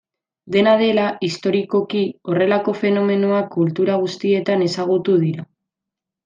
Dena dela, historikoki, horrelako fenomenoak kultura guztietan ezagutu dira.